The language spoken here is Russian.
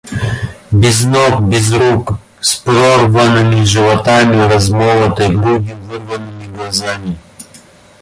Без ног, без рук, с прорванными животами, размолотой грудью, вырванными глазами.